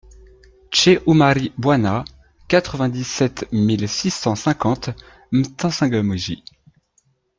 CHE OUMARI BOINA, quatre-vingt-dix-sept mille six cent cinquante M'Tsangamouji